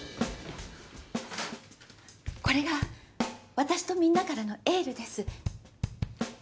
これが私とみんなからのエールです。